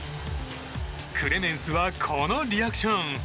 クレメンスはこのリアクション。